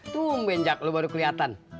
tung benjak lu baru keliatan